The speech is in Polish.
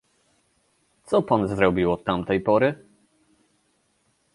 Co pan zrobił od tamtej pory?